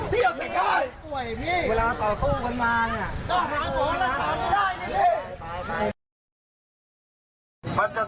ผมไม่มีพักษณ์ผมไม่ได้เล่นการเมือง